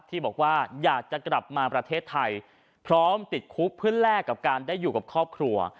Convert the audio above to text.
ที่บอกว่าอยากจะกลับมาประเทศไทยพร้อมติดคุกเพื่อแลกกับการได้อยู่กับครอบครัว